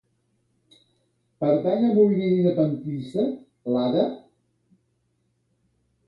Pertany al moviment independentista l'Ada?